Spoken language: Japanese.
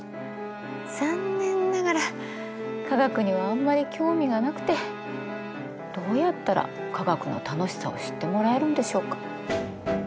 残念ながら科学にはあんまり興味がなくてどうやったら科学の楽しさを知ってもらえるんでしょうか。